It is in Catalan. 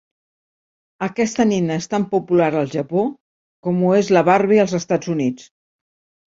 Aquesta nina és tan popular al Japó com ho és la Barbie als Estats Units.